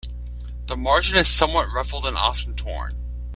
The margin is somewhat ruffled and often torn.